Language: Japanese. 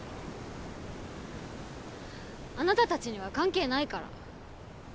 あなたたちには関係ないから。